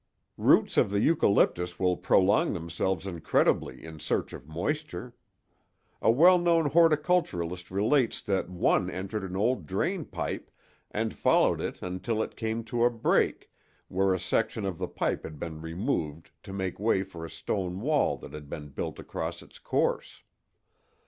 "Roots of the eucalyptus will prolong themselves incredibly in search of moisture. A well known horticulturist relates that one entered an old drain pipe and followed it until it came to a break, where a section of the pipe had been removed to make way for a stone wall that had been built across its course.